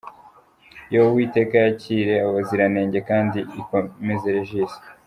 yooooo Uwiteka yakire abo baziranenge , knadi ikomeze Regis.